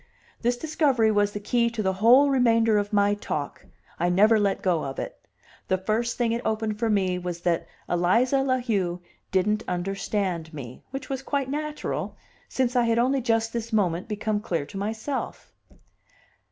This discovery was the key to the whole remainder of my talk; I never let go of it. The first thing it opened for me was that Eliza La Heu didn't understand me, which was quite natural, since I had only just this moment become clear to myself.